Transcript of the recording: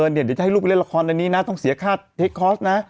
เดี๋ยวจะให้ลูกไปเล่นละครอันนี้นะต้องเสียค่าเทคคอร์สนะ